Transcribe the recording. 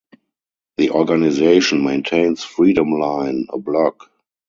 The organization maintains Freedom Line, a Blog.